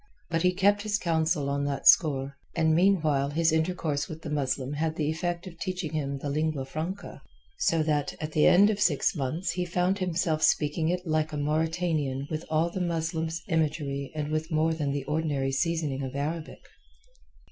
But he kept his counsel on that score, and meanwhile his intercourse with the Muslim had the effect of teaching him the lingua franca, so that at the end of six months he found himself speaking it like a Mauretanian with all the Muslim's imagery and with more than the ordinary seasoning of Arabic.